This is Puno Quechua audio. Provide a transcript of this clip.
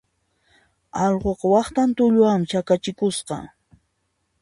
Allquqa waqtan tulluwanmi chakachikusqa.